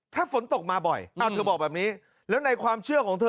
ถ้าฝนตกมาบ่อยเธอบอกแบบนี้แล้วในความเชื่อของเธอ